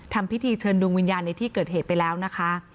ทำพิธีเชิญดวงวิญญาณในที่เกิดเหตุไปแล้วนะคะ